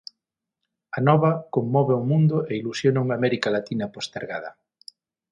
A nova conmove ao mundo e ilusiona unha América Latina postergada.